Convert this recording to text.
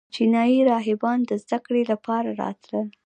چینایي راهبان د زده کړې لپاره راتلل